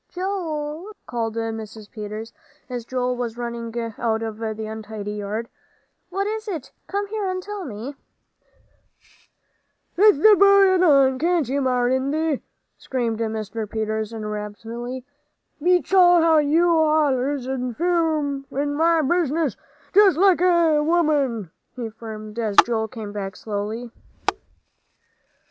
"Joel," called Mrs. Peters, as Joel was running out of the untidy yard, "what is it? Come here and tell me." "Let th' boy alone, can't ye, Marindy?" screamed Mr. Peters, irritably; "beats all how you allers interfere in my business just like a woman!" he fumed, as Joel came back slowly.